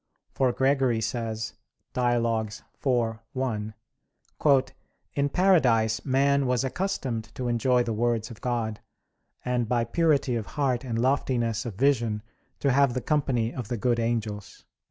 For Gregory says (Dialog. iv, 1): "In paradise man was accustomed to enjoy the words of God; and by purity of heart and loftiness of vision to have the company of the good angels."